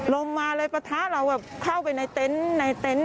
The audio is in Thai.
ลมมาเลยปะทะเราเข้าไปในเต็นต์